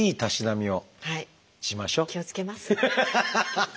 ハハハハ！